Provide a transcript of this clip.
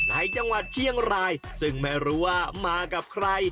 ในจังหวัดเชียงรายซึ่งไม่รู้ว่ามากับใคร